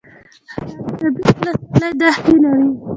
خاک سفید ولسوالۍ دښتې لري؟